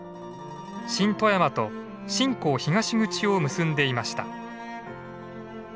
新富山と新港東口を結んでいました。